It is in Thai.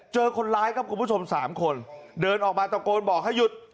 เจอคนร้ายครับคุณผู้ชม๓คนเดินออกมาตะโกนบอกให้หยุด